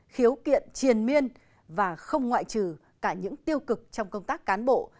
khiếu kiện triền miên và không ngoại trừ cả những tiêu cực trong công tác cán bộ